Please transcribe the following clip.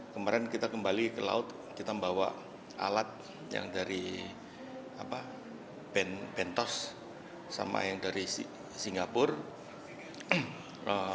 kemarin kita kembali ke laut kita membawa alat yang dari bentos sama yang dari singapura